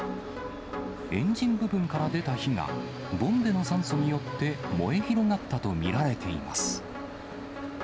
エンジン部分から出た火が、ボンベの酸素によって燃え広がったと見られています。